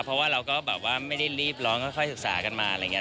เพราะว่าเราก็แบบว่าไม่ได้รีบร้องค่อยศึกษากันมาอะไรอย่างนี้